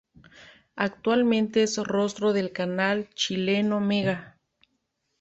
Actualmente es rostro del canal chileno Mega.